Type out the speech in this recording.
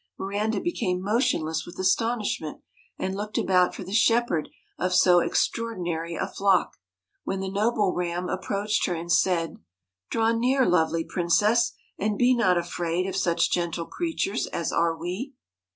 Miranda became motionless with astonishment, and looked about for the shepherd of so extra ordinary a flock, when the noble Ram approached her, and said ' Draw near, lovely princess, and be not afraid of such gentle creatures as are we.'